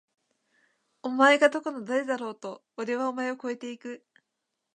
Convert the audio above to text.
お前がどこの誰だろうと！！おれはお前を超えて行く！！